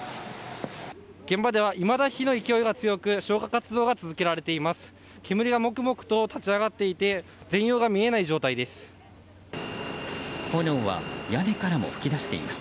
現場ではいまだ火の勢いが強く消火活動が続けられています。